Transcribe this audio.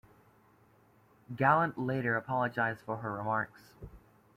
Gallant later apologized for her remarks.